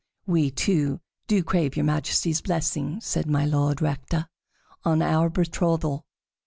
"We two do crave your Majesty's blessing," said My Lord Rector, "on our betrothal."